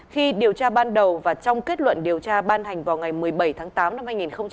khi điều tra ban đầu và trong kết luận điều tra ban hành vào ngày một mươi bảy tháng tám năm hai nghìn hai mươi ba